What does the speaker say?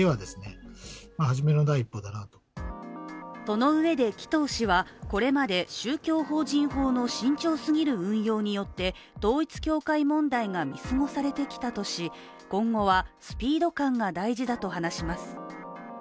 そのうえで紀藤氏はこれまで宗教法人法の慎重すぎる運用によって統一教会問題が見過ごされてきたとし、今後は、スピード感が大事だと話します。